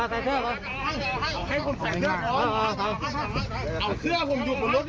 ตอบมาร้อยโอเคครับโอเค